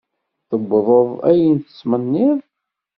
Tewwḍeḍ ayen tettmenniḍ?